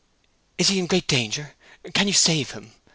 "Is he in great danger—can you save him?"